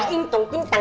mau ikut sekolah kamu